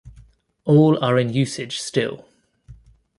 All are in usage still.